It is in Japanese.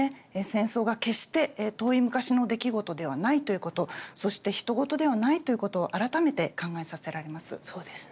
戦争が決して遠い昔の出来事ではないということ、そしてひと事ではないということを改めて考えさせられます。